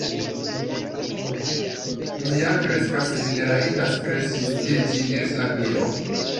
"Mi ja kreskas." "Vi ne rajtas kreski tie ĉi," diris la Gliro.